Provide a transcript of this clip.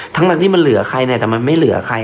ทั้งทั้งที่มันเหลือใครแต่มันไม่เหลือใคร